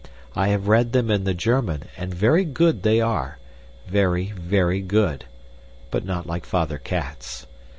I have read them in the German and very good they are very, very good but not like Father Cats.